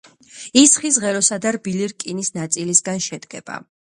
ის ხის ღეროსა და რბილი რკინის ნაწილისგან შედგება.